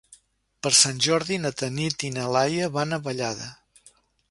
Per Sant Jordi na Tanit i na Laia van a Vallada.